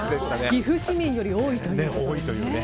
岐阜市民より多いというのね。